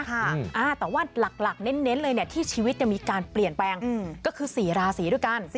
แต่ว่าหลักเน้นเลยที่ชีวิตจะมีการเปลี่ยนแปลงก็คือ๔ราศีด้วยกัน